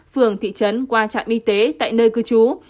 phường thị trấn qua trạm y tế tại nơi cư trú